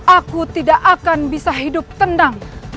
aku tidak akan bisa hidup tenang